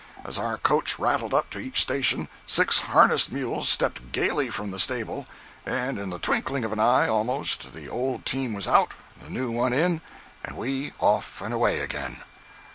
As our coach rattled up to each station six harnessed mules stepped gayly from the stable; and in the twinkling of an eye, almost, the old team was out, and the new one in and we off and away again.